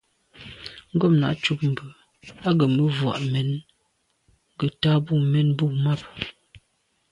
Ngômnà' cúp mbə̄ á gə̀ mə̄ vwá' mɛ́n gə ̀tá bû mɛ́n bû máàp.